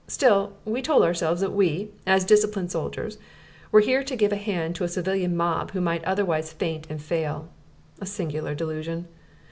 Still we told ourselves that we, as disciplined soldiers, were here to give a hand to a civilian mob who might otherwise faint and fail. A singular delusion!